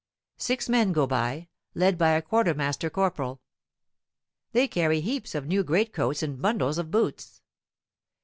Six men go by, led by a quartermaster corporal. They carry heaps of new greatcoats and bundles of boots.